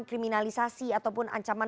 kriminalisasi ataupun ancaman